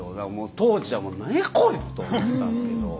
当時はもう何やこいつと思ってたんですけど。